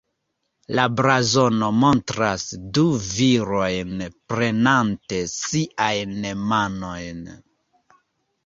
La blazono montras du virojn prenante siajn manojn.